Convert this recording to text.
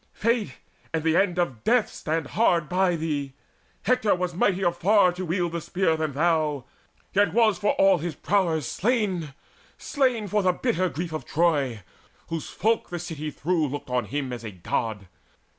Fate and the end of death stand hard by thee! Hector was mightier far to wield the spear Than thou, yet was for all his prowess slain, Slain for the bitter grief of Troy, whose folk The city through looked on him as a God.